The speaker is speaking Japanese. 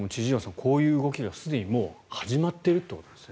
こういう動きがすでにもう始まっているということですね。